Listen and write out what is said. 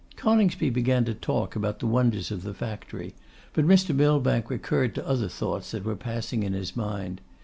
Coningsby began to talk about the wonders of the factory, but Mr. Millbank recurred to other thoughts that were passing in his mind.